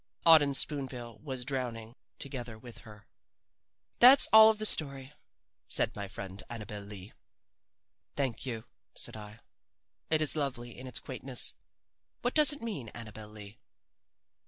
"Auden Spoon bill was drowning together with her. "That's all of the story," said my friend Annabel Lee. "Thank you," said I. "It is lovely in its quaintness. What does it mean, Annabel Lee?"